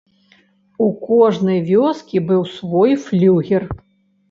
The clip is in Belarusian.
У кожнай вёскі быў свой флюгер.